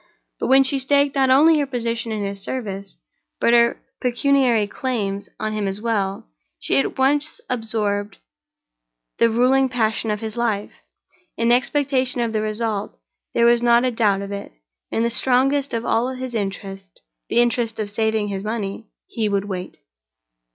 But when she staked not only her position in his service, but her pecuniary claims on him as well, she at once absorbed the ruling passion of his life in expectation of the result. There was not a doubt of it, in the strongest of all his interests—the interest of saving his money—he would wait.